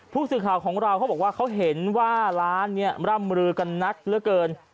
ผู้สื่อข่าวของเราเขาบอกว่าเขาเห็นว่าร้านนี้ร่ำลือกันนักเหลือเกิน